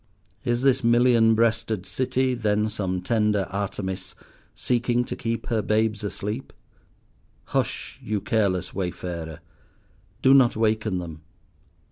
Is this million breasted City then some tender Artemis, seeking to keep her babes asleep? "Hush, you careless wayfarer; do not waken them.